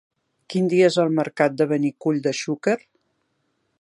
Quin dia és el mercat de Benicull de Xúquer?